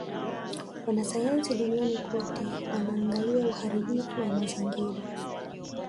Wanasayansi duniani kote wanaangalia uharibifu wa mazingira